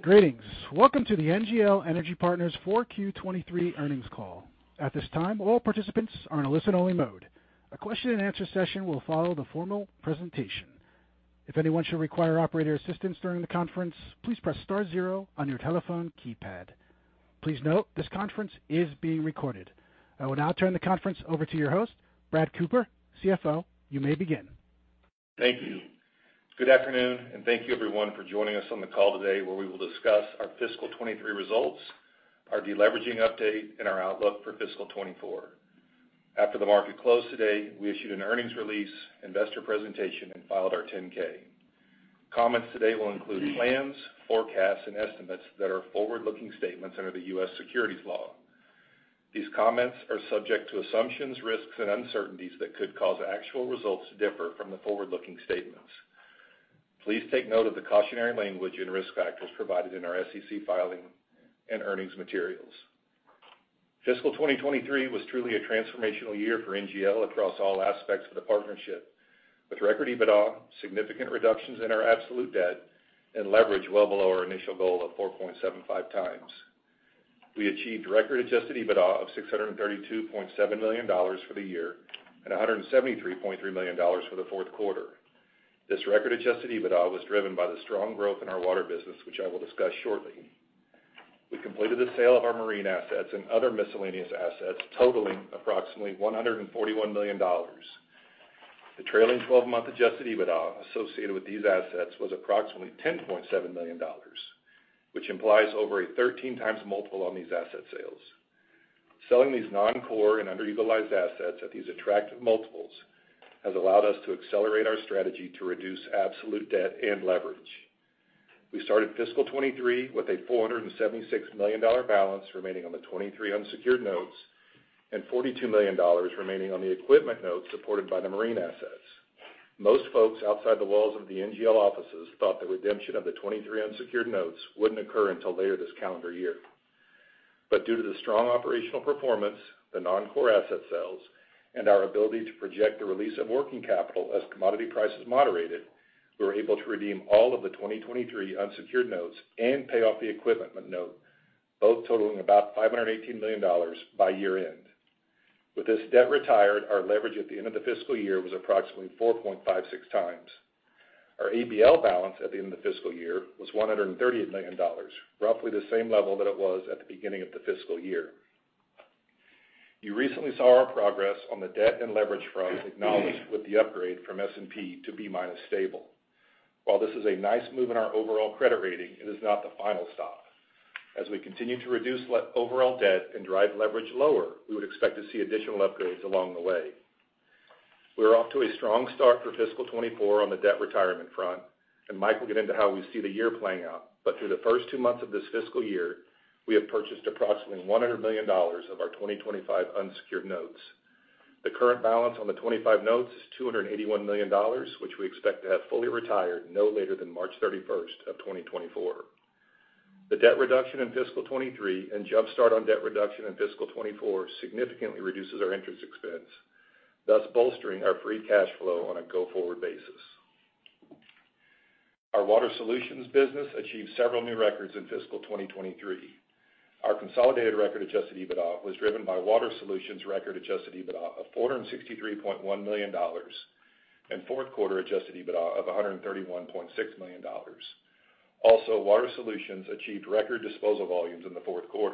Greetings! Welcome to the NGL Energy Partners 4Q '23 earnings call. At this time, all participants are in a listen-only mode. A question-and-answer session will follow the formal presentation. If anyone should require operator assistance during the conference, please press star zero on your telephone keypad. Please note, this conference is being recorded. I will now turn the conference over to your host, Brad Cooper, CFO. You may begin. Thank you. Good afternoon. Thank you everyone for joining us on the call today, where we will discuss our fiscal 2023 results, our deleveraging update, and our outlook for fiscal 2024. After the market closed today, we issued an earnings release, investor presentation, and filed our 10-K. Comments today will include plans, forecasts, and estimates that are forward-looking statements under the U.S. securities law. These comments are subject to assumptions, risks, and uncertainties that could cause actual results to differ from the forward-looking statements. Please take note of the cautionary language and risk factors provided in our SEC filing and earnings materials. fiscal 2023 was truly a transformational year for NGL across all aspects of the partnership, with record EBITDA, significant reductions in our absolute debt, and leverage well below our initial goal of 4.75x. We achieved record adjusted EBITDA of $632.7 million for the year, and $173.3 million for the Q4. This record adjusted EBITDA was driven by the strong growth in our water business, which I will discuss shortly. We completed the sale of our marine assets and other miscellaneous assets, totaling approximately $141 million. The trailing twelve-month adjusted EBITDA associated with these assets was approximately $10.7 million, which implies over a 13x multiple on these asset sales. Selling these non-core and underutilized assets at these attractive multiples has allowed us to accelerate our strategy to reduce absolute debt and leverage. We started fiscal 2023 with a $476 million balance remaining on the 2023 unsecured notes, and $42 million remaining on the equipment notes supported by the marine assets. Most folks outside the walls of the NGL offices thought the redemption of the 2023 unsecured notes wouldn't occur until later this calendar year. Due to the strong operational performance, the non-core asset sales, and our ability to project the release of working capital as commodity prices moderated, we were able to redeem all of the 2023 unsecured notes and pay off the equipment note, both totaling about $518 million by year-end. With this debt retired, our leverage at the end of the fiscal year was approximately 4.56x. Our ABL balance at the end of the fiscal year was $130 million, roughly the same level that it was at the beginning of the fiscal year. You recently saw our progress on the debt and leverage front, acknowledged with the upgrade from S&P to B- Stable. While this is a nice move in our overall credit rating, it is not the final stop. As we continue to reduce overall debt and drive leverage lower, we would expect to see additional upgrades along the way. We're off to a strong start for fiscal 2024 on the debt retirement front. Mike will get into how we see the year playing out. Through the first two months of this fiscal year, we have purchased approximately $100 million of our 2025 unsecured notes. The current balance on the 25 notes is $281 million, which we expect to have fully retired no later than March 31st of 2024. The debt reduction in fiscal 2023 and jumpstart on debt reduction in fiscal 2024 significantly reduces our interest expense, thus bolstering our free cash flow on a go-forward basis. Our Water Solutions business achieved several new records in fiscal 2023. Our consolidated record adjusted EBITDA was driven by Water Solutions' record adjusted EBITDA of $463.1 million, and Q4 adjusted EBITDA of $131.6 million. Water Solutions achieved record disposal volumes in the Q4.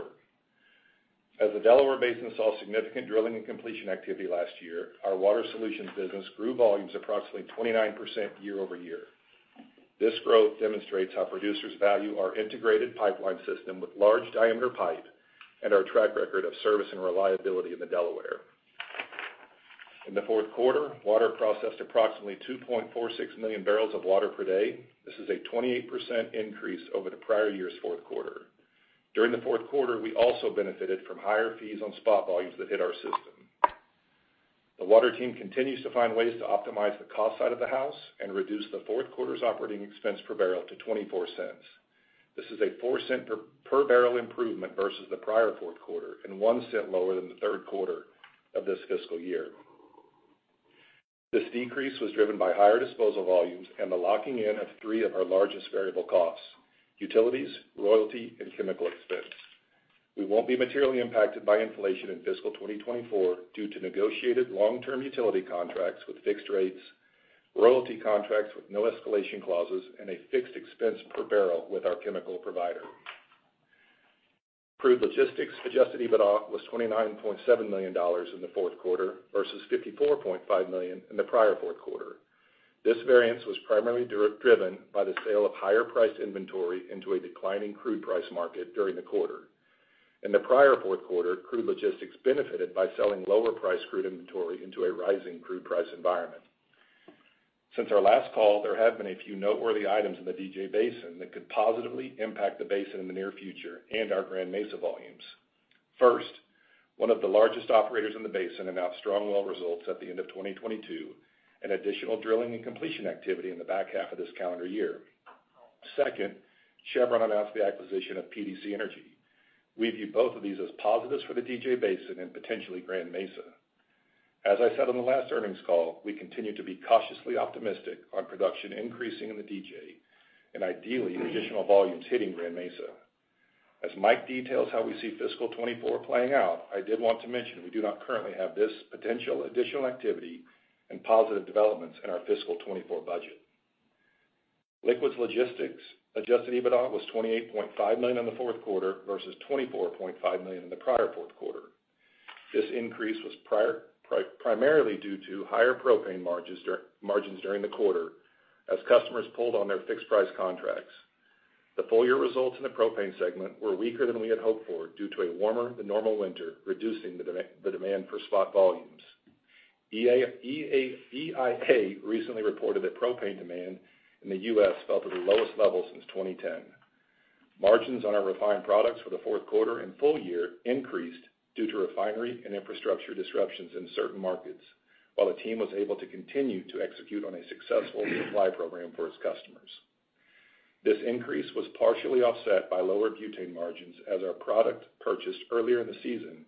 As the Delaware Basin saw significant drilling and completion activity last year, our Water Solutions business grew volumes approximately 29% year-over-year. This growth demonstrates how producers value our integrated pipeline system with large-diameter pipe and our track record of service and reliability in the Delaware. In the Q4, Water processed approximately 2.46 million barrels of water per day. This is a 28% increase over the prior year's Q4. During the Q4, we also benefited from higher fees on spot volumes that hit our system. The water team continues to find ways to optimize the cost side of the house and reduce the Q4's OpEx per barrel to $0.24. This is a $0.04 per barrel improvement versus the prior Q4, and $0.01 lower than the third quarter of this fiscal year. This decrease was driven by higher disposal volumes and the locking in of three of our largest variable costs: utilities, royalty, and chemical expense. We won't be materially impacted by inflation in fiscal 2024 due to negotiated long-term utility contracts with fixed rates, royalty contracts with no escalation clauses, and a fixed expense per barrel with our chemical provider. Crude logistics adjusted EBITDA was $29.7 million in the Q4 versus $54.5 million in the prior Q4. This variance was primarily driven by the sale of higher-priced inventory into a declining crude price market during the quarter. In the prior Q4, crude logistics benefited by selling lower-priced crude inventory into a rising crude price environment. Since our last call, there have been a few noteworthy items in the DJ Basin that could positively impact the basin in the near future and our Grand Mesa volumes. First, one of the largest operators in the basin announced strong well results at the end of 2022, and additional drilling and completion activity in the back half of this calendar year. Second, Chevron announced the acquisition of PDC Energy. We view both of these as positives for the DJ Basin and potentially Grand Mesa. As I said on the last earnings call, we continue to be cautiously optimistic on production increasing in the DJ, and ideally, additional volumes hitting Grand Mesa. As Mike details how we see fiscal 2024 playing out, I did want to mention we do not currently have this potential additional activity and positive developments in our fiscal 2024 budget. Liquids logistics adjusted EBITDA was $28.5 million in the Q4 versus $24.5 million in the prior Q4. This increase was primarily due to higher propane margins during the quarter as customers pulled on their fixed-price contracts. The full-year results in the propane segment were weaker than we had hoped for, due to a warmer than normal winter, reducing the demand for spot volumes. EIA recently reported that propane demand in the U.S. fell to the lowest level since 2010. Margins on our refined products for the Q4 and full year increased due to refinery and infrastructure disruptions in certain markets, while the team was able to continue to execute on a successful supply program for its customers. This increase was partially offset by lower butane margins, as our product purchased earlier in the season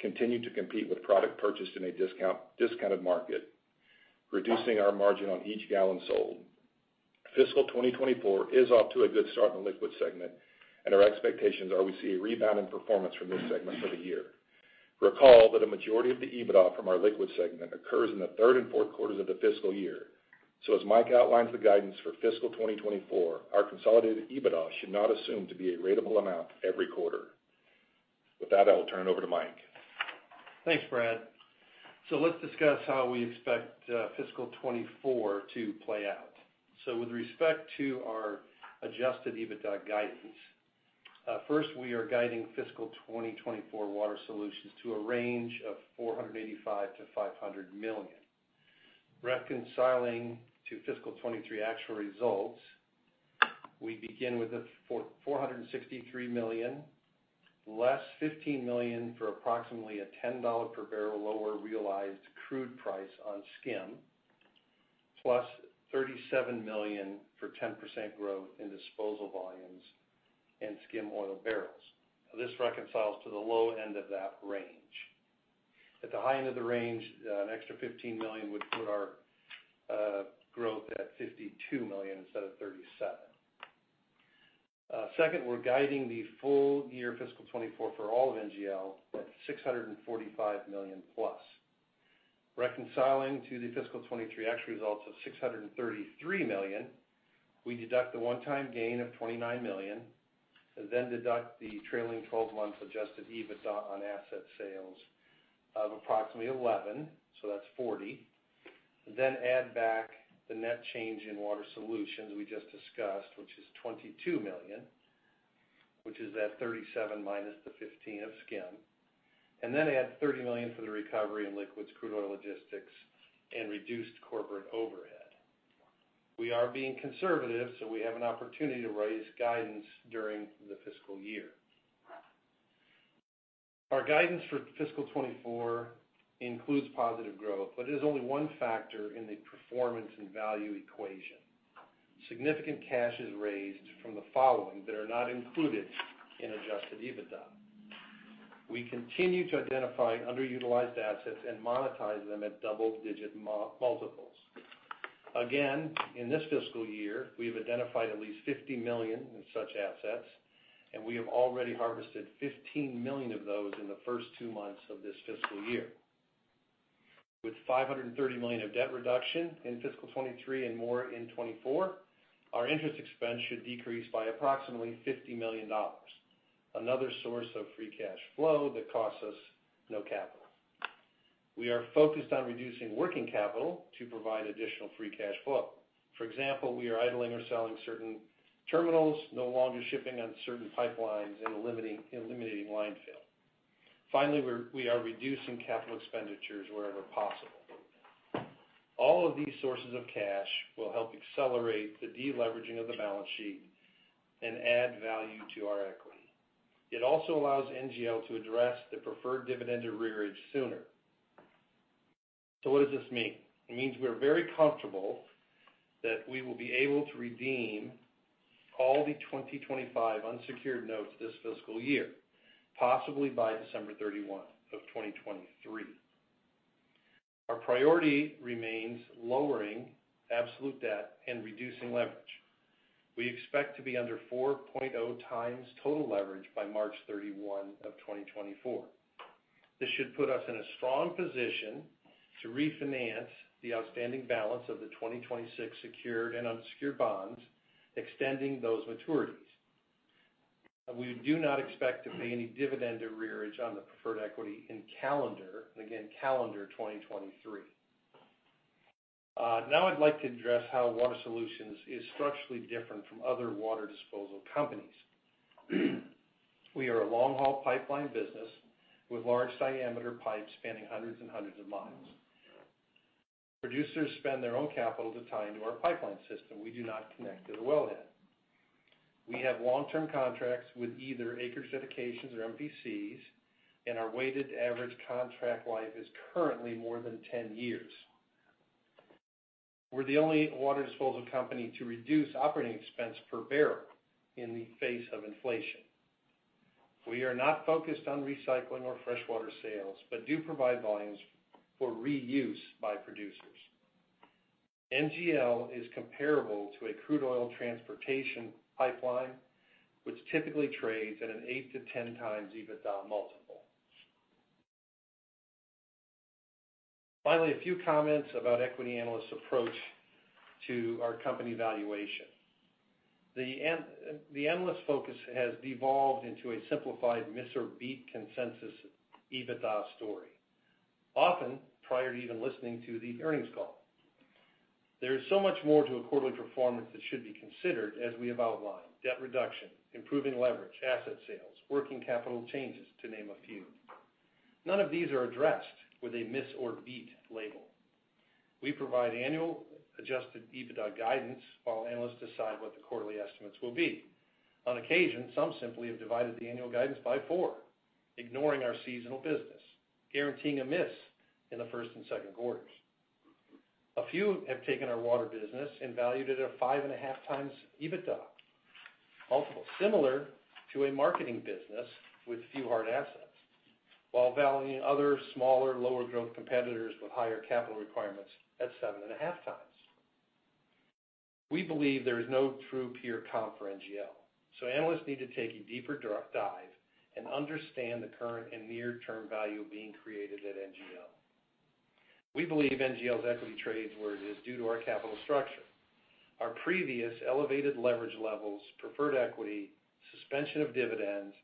continued to compete with product purchased in a discounted market, reducing our margin on each gallon sold. fiscal 2024 is off to a good start in the liquid segment. Our expectations are we see a rebound in performance from this segment for the year. Recall that a majority of the EBITDA from our liquid segment occurs in the 3rd and 4th quarters of the fiscal year. As Mike outlines the guidance for fiscal 2024, our consolidated EBITDA should not assume to be a ratable amount every quarter. With that, I will turn it over to Mike. Thanks, Brad. Let's discuss how we expect fiscal 2024 to play out. With respect to our adjusted EBITDA guidance, first, we are guiding fiscal 2024 Water Solutions to a range of $485-$500 million. Reconciling to fiscal 2023 actual results, we begin with $463 million, less $15 million for approximately a $10 per barrel lower realized crude price on SKIM, plus $37 million for 10% growth in disposal volumes and SKIM oil barrels. This reconciles to the low end of that range. At the high end of the range, an extra $15 million would put our growth at $52 million instead of $37 million. Second, we're guiding the full year fiscal 2024 for all of NGL at $645+ million. Reconciling to the fiscal 2023 actual results of $633 million, we deduct a one-time gain of $29 million, then deduct the trailing 12 months adjusted EBITDA on asset sales of approximately $11 million, so that's $40 million. Add back the net change in Water Solutions we just discussed, which is $22 million, which is at $37 million minus the $15 million of skim, and then add $30 million for the recovery in liquids crude oil logistics and reduced corporate overhead. We are being conservative, so we have an opportunity to raise guidance during the fiscal year. Our guidance for fiscal 2024 includes positive growth, but it is only one factor in the performance and value equation. Significant cash is raised from the following that are not included in adjusted EBITDA. We continue to identify underutilized assets and monetize them at double-digit multiples. Again, in this fiscal year, we have identified at least $50 million in such assets, and we have already harvested $15 million of those in the first two months of this fiscal year. With $530 million of debt reduction in fiscal 2023 and more in 2024, our interest expense should decrease by approximately $50 million, another source of free cash flow that costs us no capital. We are focused on reducing working capital to provide additional free cash flow. For example, we are idling or selling certain terminals, no longer shipping on certain pipelines and eliminating line fill. Finally, we are reducing capital expenditures wherever possible. All of these sources of cash will help accelerate the deleveraging of the balance sheet and add value to our equity. It also allows NGL to address the preferred dividend arrearage sooner. What does this mean? It means we are very comfortable that we will be able to redeem all the 2025 unsecured notes this fiscal year, possibly by December 31 of 2023. Our priority remains lowering absolute debt and reducing leverage. We expect to be under 4.0 times total leverage by March 31 of 2024. This should put us in a strong position to refinance the outstanding balance of the 2026 secured and unsecured bonds, extending those maturities. We do not expect to pay any dividend arrearage on the preferred equity in calendar 2023. Now I'd like to address how Water Solutions is structurally different from other water disposal companies. We are a long-haul pipeline business with large-diameter pipes spanning hundreds and hundreds of miles. Producers spend their own capital to tie into our pipeline system. We do not connect to the wellhead. We have long-term contracts with either acreage dedications or MVCs. Our weighted average contract life is currently more than 10 years. We're the only water disposal company to reduce OpEx per barrel in the face of inflation. We are not focused on recycling or freshwater sales. We do provide volumes for reuse by producers. NGL is comparable to a crude oil transportation pipeline, which typically trades at an 8x-10x EBITDA multiple. A few comments about equity analysts' approach to our company valuation. The analyst focus has devolved into a simplified miss or beat consensus EBITDA story, often prior to even listening to the earnings call. There is so much more to a quarterly performance that should be considered, as we have outlined: debt reduction, improving leverage, asset sales, working capital changes, to name a few. None of these are addressed with a miss or beat label. We provide annual adjusted EBITDA guidance, while analysts decide what the quarterly estimates will be. On occasion, some simply have divided the annual guidance by four, ignoring our seasonal business, guaranteeing a miss in the first and second quarters. A few have taken our water business and valued it at a 5.5x EBITDA multiple, similar to a marketing business with few hard assets, while valuing other smaller, lower growth competitors with higher capital requirements at 7.5x. We believe there is no true peer comp for NGL. Analysts need to take a deeper direct dive and understand the current and near-term value being created at NGL. We believe NGL's equity trade where it is due to our capital structure. Our previous elevated leverage levels, preferred equity, suspension of dividends,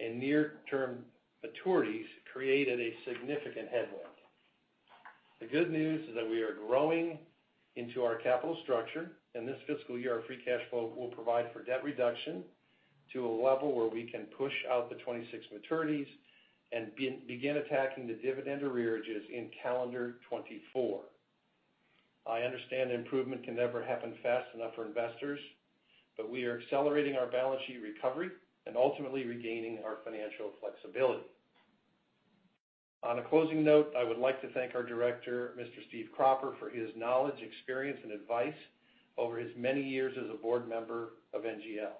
and near-term maturities created a significant headwind. The good news is that we are growing into our capital structure. This fiscal year, our free cash flow will provide for debt reduction to a level where we can push out the 26 maturities and begin attacking the dividend arrearages in calendar 2024. I understand improvement can never happen fast enough for investors. We are accelerating our balance sheet recovery and ultimately regaining our financial flexibility. On a closing note, I would like to thank our director, Mr. Stephen Cropper, for his knowledge, experience and advice over his many years as a board member of NGL.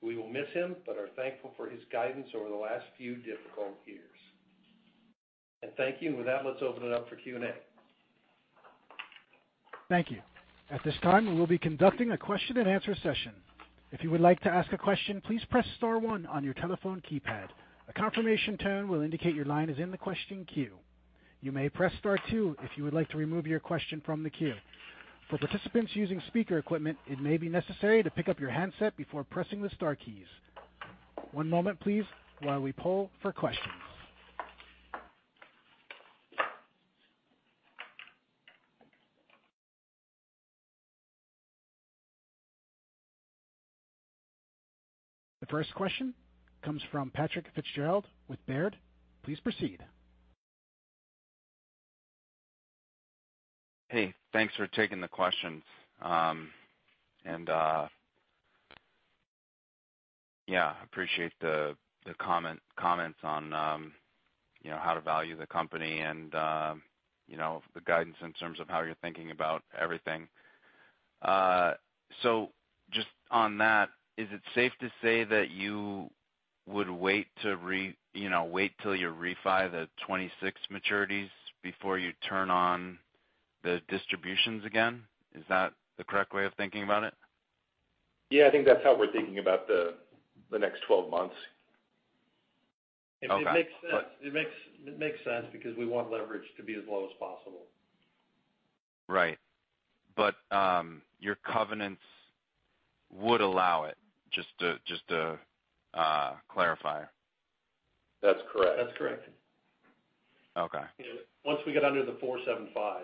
We will miss him. We are thankful for his guidance over the last few difficult years. Thank you. With that, let's open it up for Q&A. Thank you. At this time, we will be conducting a question-and-answer session. If you would like to ask a question, please press star one on your telephone keypad. A confirmation tone will indicate your line is in the question queue. You may press star two if you would like to remove your question from the queue. For participants using speaker equipment, it may be necessary to pick up your handset before pressing the star keys. One moment, please, while we poll for questions. The first question comes from Patrick Fitzgerald with Baird. Please proceed. Hey, thanks for taking the questions. Yeah, appreciate the comments on, you know, how to value the company and, you know, the guidance in terms of how you're thinking about everything. Just on that, is it safe to say that you would wait till you refi the 2026 maturities before you turn on the distributions again? Is that the correct way of thinking about it? Yeah, I think that's how we're thinking about the next 12 months. Okay. It makes sense. It makes sense because we want leverage to be as low as possible. Right. Your covenants would allow it, just to clarify? That's correct. That's correct. Okay. Once we get under the 4.75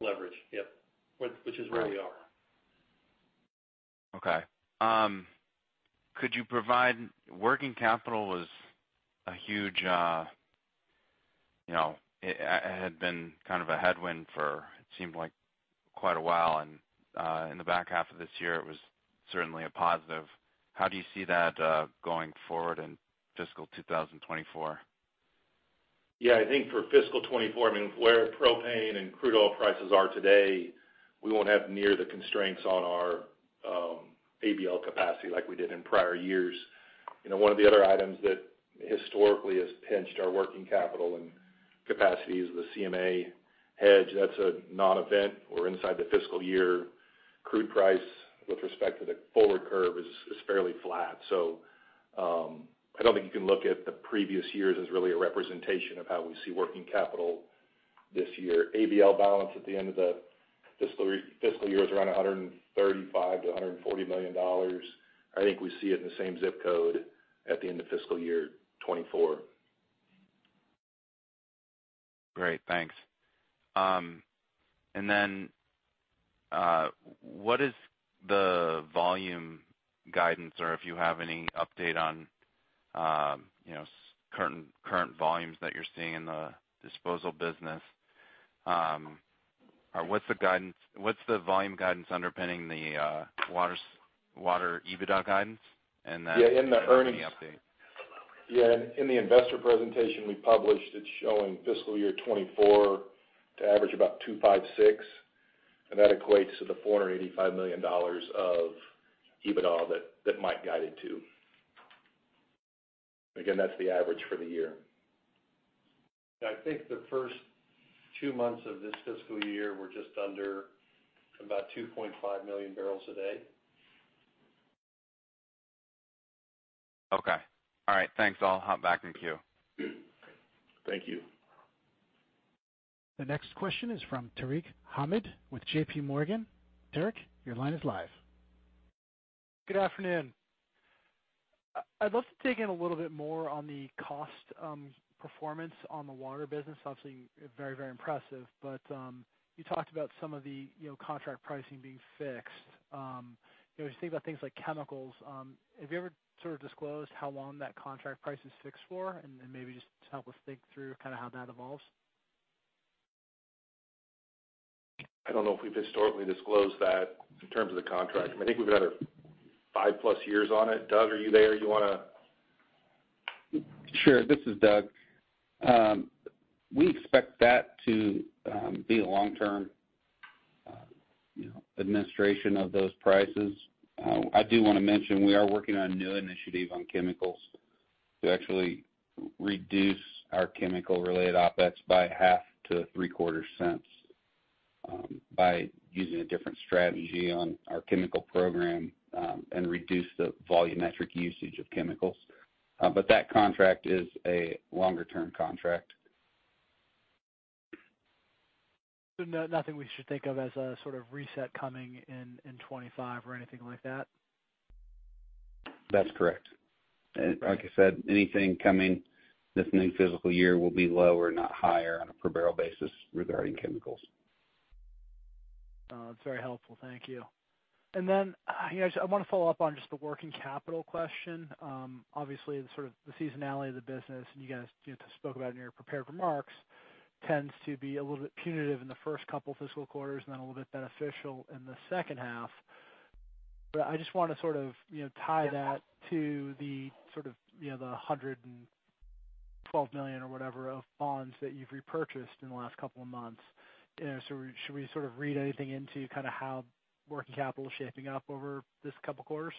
leverage. Yep. Which is where we are. Okay. Working capital was a huge, you know, it, had been kind of a headwind for, it seemed like, quite a while, and, in the back half of this year, it was certainly a positive. How do you see that, going forward in fiscal 2024? Yeah, I think for fiscal 2024, I mean, where propane and crude oil prices are today, we won't have near the constraints on our ABL capacity like we did in prior years. You know, one of the other items that historically has pinched our working capital and capacity is the CMA hedge. That's a non-event. We're inside the fiscal year. Crude price with respect to the forward curve is fairly flat. I don't think you can look at the previous years as really a representation of how we see working capital this year. ABL balance at the end of the fiscal year is around $135-$140 million. I think we see it in the same zip code at the end of fiscal year 2024. Great, thanks. What is the volume guidance or if you have any update on, you know, current volumes that you're seeing in the disposal business? Or what's the volume guidance underpinning the Water Solutions EBITDA guidance? Yeah, in the earnings- Any update? In the investor presentation we published, it's showing fiscal year 2024 to average about 256, and that equates to the $485 million of EBITDA that Mike guided to. Again, that's the average for the year. I think the first two months of this fiscal year were just under about 2.5 million barrels a day. Okay. All right, thanks. I'll hop back in queue. Thank you. The next question is from Tarek Hamid with JPMorgan. Tarek, your line is live. Good afternoon. I'd love to dig in a little bit more on the cost performance on the water business. Obviously, very, very impressive, but you talked about some of the, you know, contract pricing being fixed. You know, when you think about things like chemicals, have you ever sort of disclosed how long that contract price is fixed for? Maybe just to help us think through kind of how that evolves. I don't know if we've historically disclosed that in terms of the contract. I think we've got five-plus years on it. Doug, are you there? You want to. Sure. This is Doug. We expect that to be a long-term, you know, administration of those prices. I do want to mention we are working on a new initiative on chemicals to actually reduce our chemical-related OpEx by half to three quarter cents, by using a different strategy on our chemical program, and reduce the volumetric usage of chemicals. That contract is a longer-term contract. Nothing we should think of as a sort of reset coming in 2025 or anything like that? That's correct. Like I said, anything coming this new fiscal year will be lower, not higher, on a per barrel basis regarding chemicals. That's very helpful. Thank you. You know, I want to follow up on just the working capital question. Obviously, the sort of the seasonality of the business, and you guys, you spoke about in your prepared remarks, tends to be a little bit punitive in the first couple of fiscal quarters and then a little bit beneficial in the second half. I just want to sort of, you know, tie that to the sort of, you know, the $112 million or whatever, of bonds that you've repurchased in the last couple of months. You know, should we sort of read anything into kind of how working capital is shaping up over this couple quarters?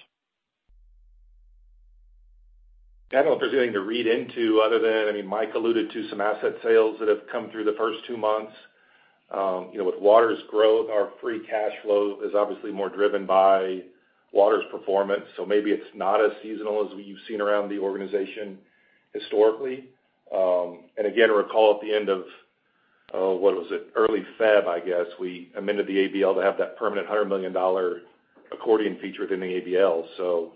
I don't know if there's anything to read into other than, I mean, Mike alluded to some asset sales that have come through the first 2 months. You know, with Water's growth, our free cash flow is obviously more driven by Water's performance, so maybe it's not as seasonal as what you've seen around the organization historically. Again, to recall, at the end of, what was it? Early February, I guess, we amended the ABL to have that permanent $100 million accordion feature within the ABL.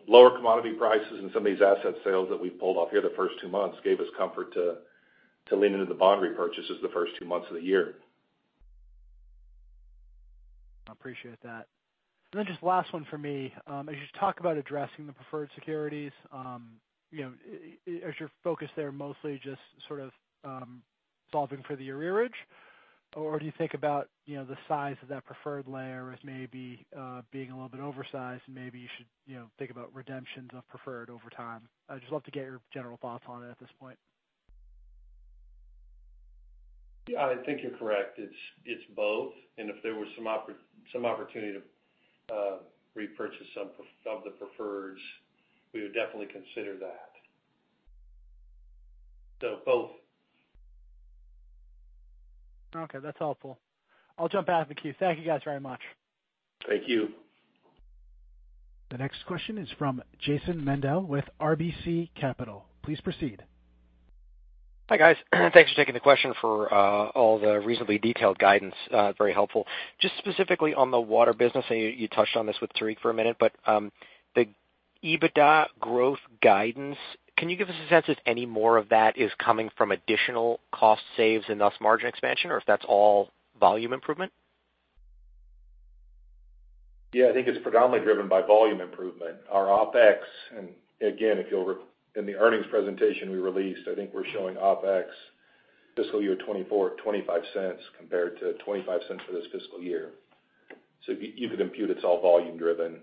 Lower commodity prices and some of these asset sales that we've pulled off here the first two months, gave us comfort to lean into the bond repurchases the first two months of the year. I appreciate that. Just last one for me. As you talk about addressing the preferred securities, you know, is your focus there mostly just sort of solving for the arrearage? Do you think about, you know, the size of that preferred layer as maybe being a little bit oversized, and maybe you should, you know, think about redemptions of preferred over time? I'd just love to get your general thoughts on it at this point. Yeah, I think you're correct. It's both. If there was some opportunity to repurchase some of the preferreds, we would definitely consider that. Both. Okay, that's helpful. I'll jump back in the queue. Thank you guys very much. Thank you. The next question is from Jason Mandel with RBC Capital. Please proceed. Hi, guys. Thanks for taking the question for all the reasonably detailed guidance. Very helpful. Specifically on the water business, I know you touched on this with Tarek for a minute, the EBITDA growth guidance, can you give us a sense if any more of that is coming from additional cost saves and thus margin expansion, or if that's all volume improvement? Yeah, I think it's predominantly driven by volume improvement. Our OpEx, and again, if you'll in the earnings presentation we released, I think we're showing OpEx fiscal year 2024, $0.25, compared to $0.25 for this fiscal year. You could compute it's all volume driven. Okay,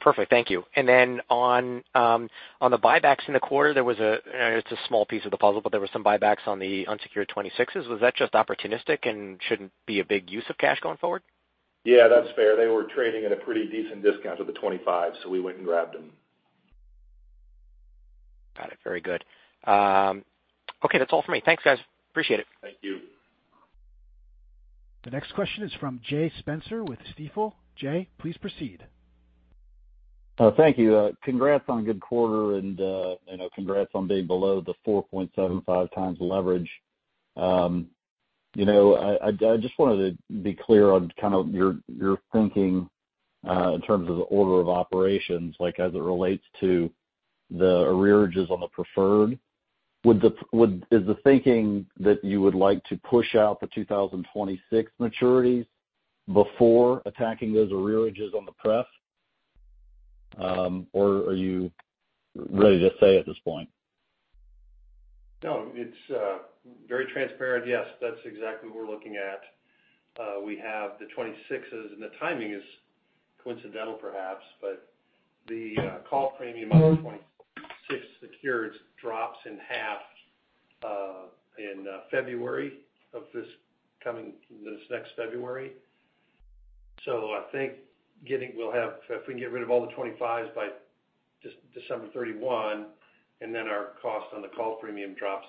perfect. Thank you. Then on the buybacks in the quarter, there was I know it's a small piece of the puzzle, but there were some buybacks on the unsecured 26s. Was that just opportunistic and shouldn't be a big use of cash going forward? Yeah, that's fair. They were trading at a pretty decent discount to the $25, so we went and grabbed them. Got it. Very good. That's all for me. Thanks, guys. Appreciate it. Thank you. The next question is from Jay Spencer with Stifel. Jay, please proceed. Thank you. Congrats on a good quarter and, you know, congrats on being below the 4.75x leverage. You know, I just wanted to be clear on kind of your thinking in terms of the order of operations, like as it relates to the arrearages on the preferred. Is the thinking that you would like to push out the 2026 maturities before attacking those arrearages on the pref, or are you ready to say at this point? No, it's very transparent. Yes, that's exactly what we're looking at. We have the 2026s, and the timing is coincidental perhaps, but the call premium on the 2026 secures drops in half in this next February. I think if we can get rid of all the 2025s by just December 31, and then our cost on the call premium drops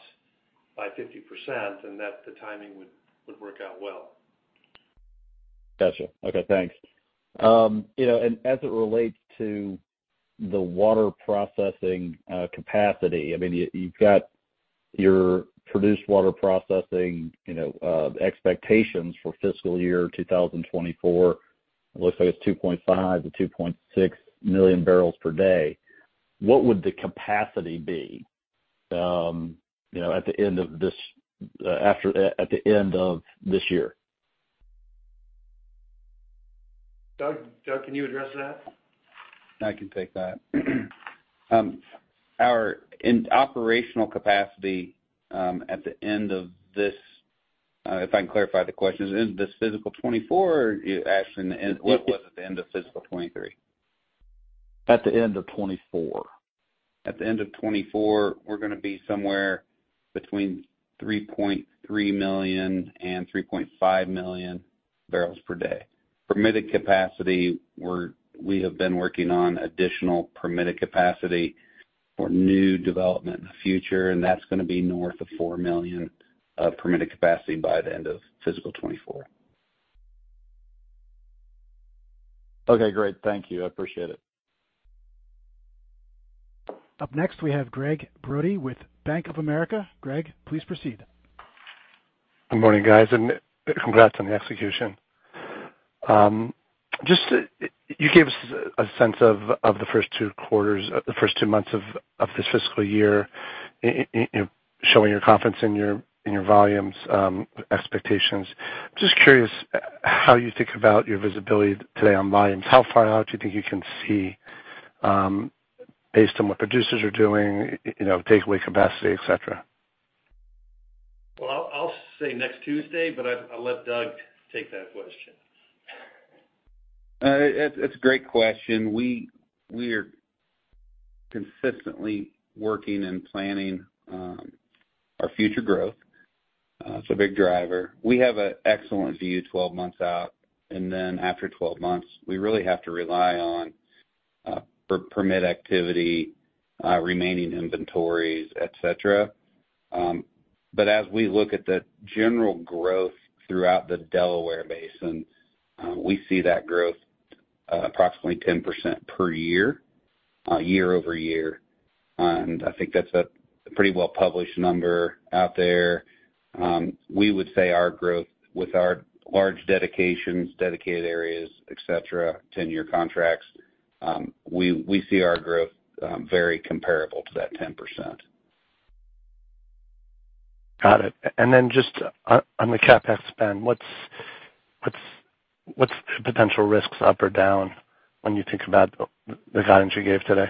by 50%, and that the timing would work out well. Gotcha. Okay, thanks. You know, as it relates to the water processing, capacity, I mean, you've got your produced water processing, you know, expectations for fiscal year 2024. It looks like it's 2.5-2.6 million barrels per day. What would the capacity be, you know, at the end of this after at the end of this year? Doug, can you address that? I can take that. In operational capacity, at the end of this, if I can clarify the question, is it the fiscal 2024, or you asking what was at the end of fiscal 2023? At the end of 2024. At the end of 2024, we're gonna be somewhere between 3.3 million and 3.5 million barrels per day. Permitted capacity, we have been working on additional permitted capacity for new development in the future, and that's gonna be north of 4 million permitted capacity by the end of fiscal 2024. Okay, great. Thank you. I appreciate it. Up next, we have Gregg Brody with Bank of America. Greg, please proceed. Good morning, guys. Congrats on the execution. Just, you gave us a sense of the first two quarters, the first two months of this fiscal year, in showing your confidence in your volumes, expectations. Just curious how you think about your visibility today on volumes? How far out do you think you can see, based on what producers are doing, you know, takeaway capacity, et cetera? Well, I'll say next Tuesday, but I'll let Doug take that question. It's a great question. We are consistently working and planning our future growth. It's a big driver. We have an excellent view 12 months out, then after 12 months, we really have to rely on per-permit activity, remaining inventories, et cetera. As we look at the general growth throughout the Delaware Basin, we see that growth approximately 10% per year-over-year. I think that's a pretty well-published number out there. We would say our growth with our large dedications, dedicated areas, et cetera, 10-year contracts, we see our growth very comparable to that 10%. Got it. Then just on the CapEx spend, what's the potential risks up or down when you think about the guidance you gave today?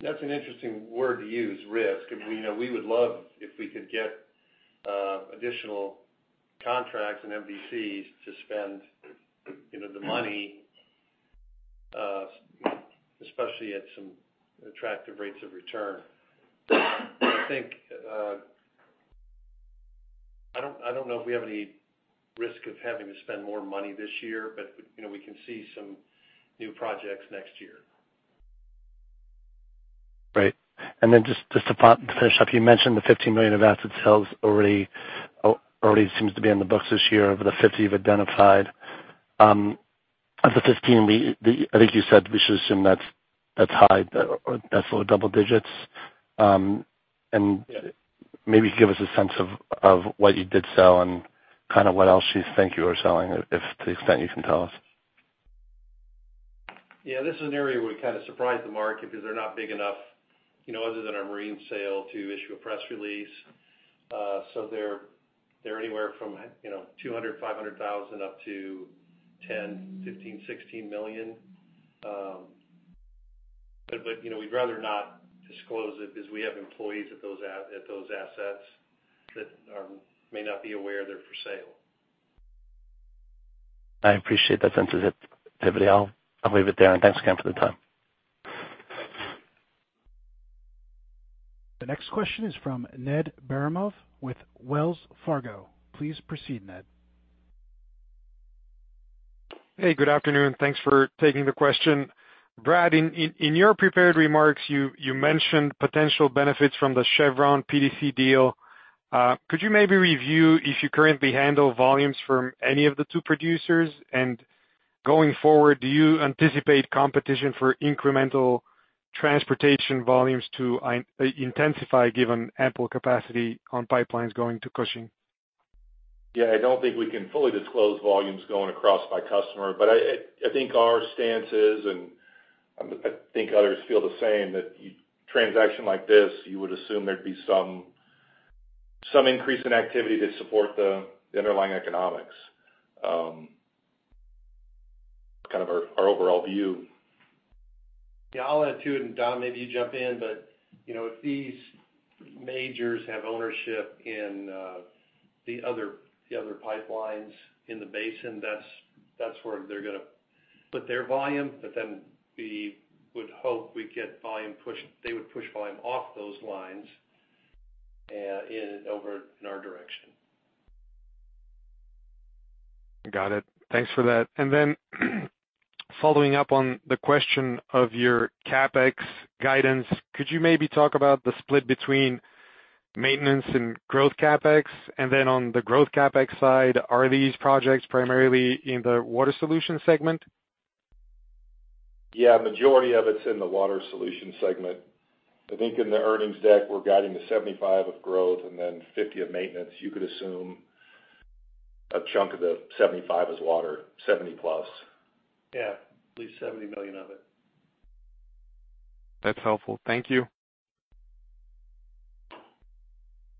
That's an interesting word to use, risk. I mean, you know, we would love if we could get additional contracts and MVCs to spend, you know, the money, especially at some attractive rates of return. I think, I don't know if we have any risk of having to spend more money this year, you know, we can see some new projects next year. Great. Just to finish up, you mentioned the $15 million of asset sales already seems to be on the books this year, over the $50 you've identified. Of the $15, I think you said we should assume that's high, or that's low double digits. Maybe give us a sense of what you did sell and kind of what else you think you are selling, if to the extent you can tell us? This is an area where we kind of surprised the market because they're not big enough, you know, other than our marine sale, to issue a press release. They're anywhere from, you know, $200,000-$500,000, up to $10-$16 million. You know, we'd rather not disclose it because we have employees at those assets that are, may not be aware they're for sale. I appreciate that sensitivity. I'll leave it there, and thanks again for the time. The next question is from Ned Baramov with Wells Fargo. Please proceed, Ned. Hey, good afternoon. Thanks for taking the question. Brad, in your prepared remarks, you mentioned potential benefits from the Chevron PDC deal. Could you maybe review if you currently handle volumes from any of the two producers? Going forward, do you anticipate competition for incremental transportation volumes to intensify, given ample capacity on pipelines going to Cushing? Yeah, I don't think we can fully disclose volumes going across by customer, but I think our stance is, and I think others feel the same, that transaction like this, you would assume there'd be some increase in activity to support the underlying economics kind of our overall view. Yeah, I'll add to it, and Don, maybe you jump in. You know, if these majors have ownership in the other pipelines in the basin, that's where they're gonna put their volume. We would hope we get volume they would push volume off those lines, in, over in our direction. Got it. Thanks for that. Following up on the question of your CapEx guidance, could you maybe talk about the split between maintenance and growth CapEx? On the growth CapEx side, are these projects primarily in the Water Solutions segment? Majority of it's in the Water Solutions segment. I think in the earnings deck, we're guiding to $75 million of growth and then $50 million of maintenance. You could assume a chunk of the $75 million is water, $70+ million. Yeah, at least $70 million of it. That's helpful. Thank you.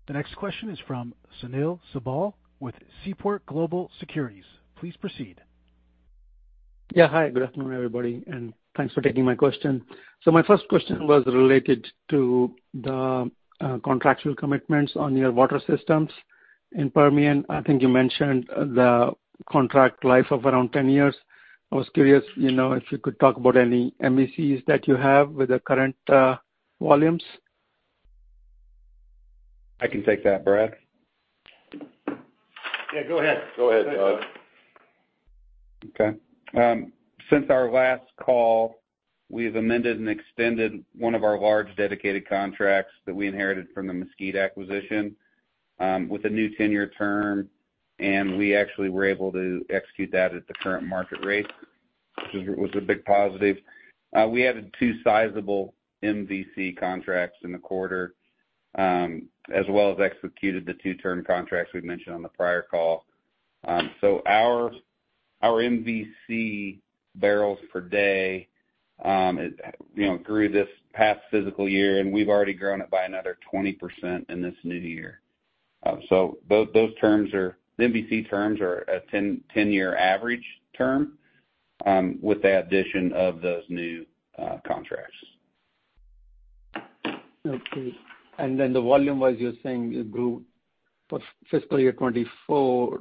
The next question is from Sunil Sibal with Seaport Research Partners. Please proceed. Yeah, hi, good afternoon, everybody, and thanks for taking my question. My first question was related to the contractual commitments on your water systems. In Permian, I think you mentioned the contract life of around 10 years. I was curious, you know, if you could talk about any MVCs that you have with the current volumes? I can take that, Brad. Yeah, go ahead. Go ahead, Doug. Okay. Since our last call, we've amended and extended one of our large dedicated contracts that we inherited from the Mesquite acquisition, with a new 10-year term, and we actually were able to execute that at the current market rate, which was a big positive. We added 2 sizable MVC contracts in the quarter, as well as executed the two-term contracts we mentioned on the prior call. Our MVC barrels per day, you know, grew this past physical year, and we've already grown it by another 20% in this new year. The MVC terms are a 10-year average term, with the addition of those new contracts. Okay. Volume-wise, you're saying it grew for fiscal year 2024,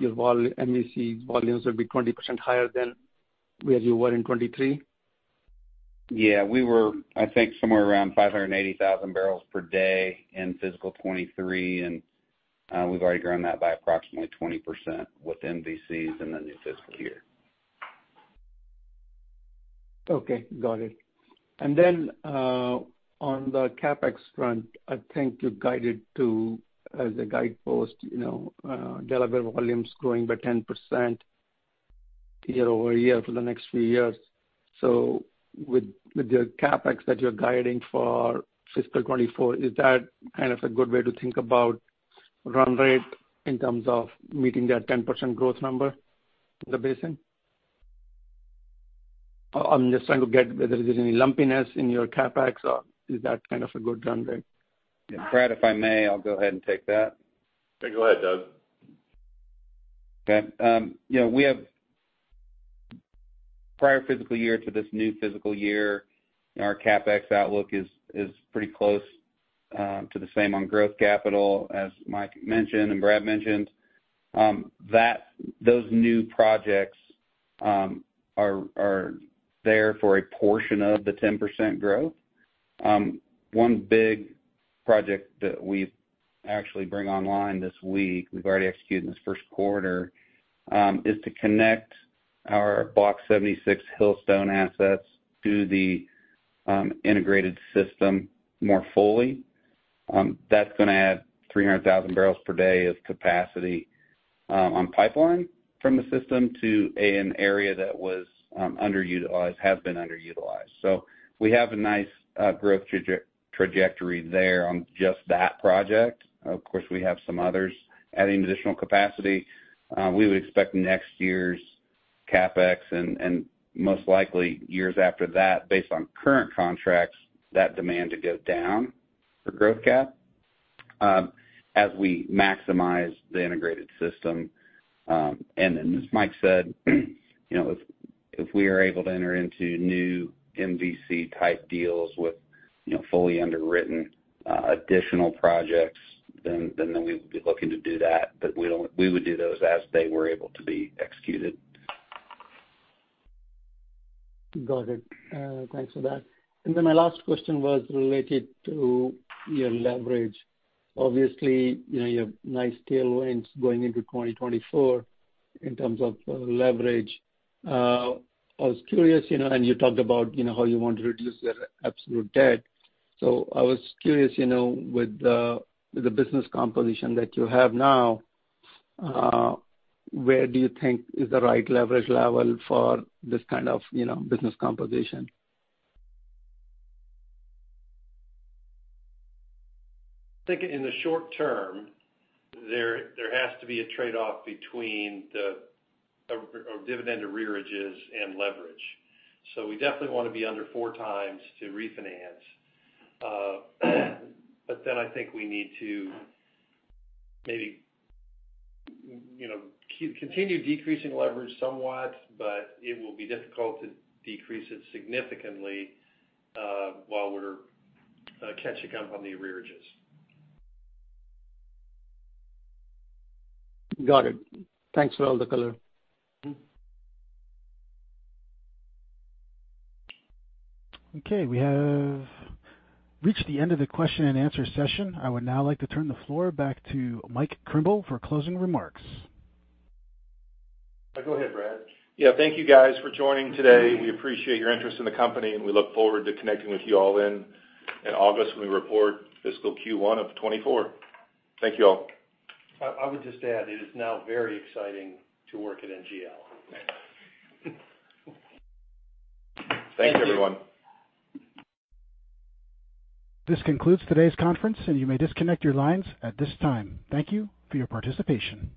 your MVC volumes will be 20% higher than where you were in 2023? Yeah. We were, I think, somewhere around 580,000 barrels per day in fiscal 2023, and we've already grown that by approximately 20% with MVCs in the new fiscal year. Okay, got it. On the CapEx front, I think you guided to, as a guidepost, you know, deliver volumes growing by 10% year over year for the next few years. With the CapEx that you're guiding for fiscal 24, is that kind of a good way to think about run rate in terms of meeting that 10% growth number in the basin? I'm just trying to get whether there's any lumpiness in your CapEx, or is that kind of a good run rate? Brad, if I may, I'll go ahead and take that. Yeah, go ahead, Doug. Okay. you know, we have prior physical year to this new physical year, our CapEx outlook is pretty close to the same on growth capital, as Michael Krimbill mentioned and Brad Cooper mentioned. those new projects are there for a portion of the 10% growth. One big project that we actually bring online this week, we've already executed in this first quarter, is to connect our Block 76 Hillstone assets to the integrated system more fully. that's gonna add 300,000 barrels per day of capacity on pipeline from the system to an area that was underutilized has been underutilized. We have a nice growth trajectory there on just that project. Of course, we have some others adding additional capacity. We would expect next year's CapEx and most likely years after that, based on current contracts, that demand to go down for growth cap, as we maximize the integrated system. As Mike said, you know, if we are able to enter into new MVC-type deals with, you know, fully underwritten, additional projects, then we would be looking to do that. We would do those as they were able to be executed. Got it. thanks for that. My last question was related to your leverage. Obviously, you know, you have nice tailwinds going into 2024 in terms of leverage. I was curious, you know, and you talked about, you know, how you want to reduce your absolute debt. I was curious, you know, with the, with the business composition that you have now, where do you think is the right leverage level for this kind of, you know, business composition? I think in the short term, there has to be a trade-off between the dividend arrearages and leverage. We definitely wanna be under 4x to refinance. I think we need to maybe, you know, continue decreasing leverage somewhat, but it will be difficult to decrease it significantly, while we're catching up on the arrearages. Got it. Thanks for all the color. Okay, we have reached the end of the question and answer session. I would now like to turn the floor back to Michael Krimbill for closing remarks. Go ahead, Brad. Yeah, thank you guys for joining today. We appreciate your interest in the company, and we look forward to connecting with you all in August when we report fiscal Q1 of 2024. Thank you all. I would just add, it is now very exciting to work at NGL. Thanks, everyone. This concludes today's conference. You may disconnect your lines at this time. Thank you for your participation.